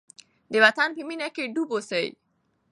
د وطن په مینه کې ډوب اوسئ.